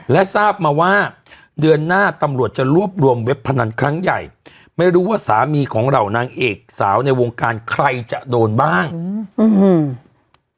และทราบมาว่าเดือนหน้าตำรวจจะรวบรวมเว็บพนันครั้งใหญ่ไม่รู้ว่าสามีของเหล่านางเอกสาวในวงการใครจะโดนบ้างอืมอืม